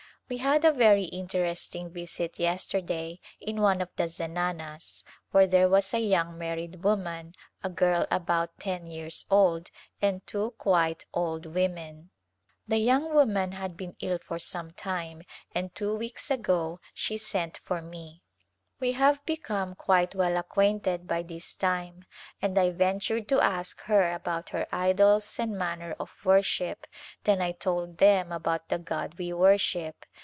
We had a very interesting visit yesterday in one of the zananas where there was a young married woman, a girl about ten years old, and two quite old women. The young woman had been ill for some time and two weeks ago she sent for me ; we have become quite well acquainted by this time and I ventured to ask her about her idols and manner of worship, then I told them about the God we worship.